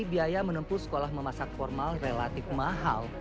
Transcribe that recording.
biaya menempuh sekolah memasak formal relatif mahal